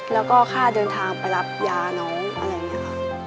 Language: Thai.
แล้วก็ค่าเดินทางไปรับยาน้องอะไรอย่างนี้ค่ะ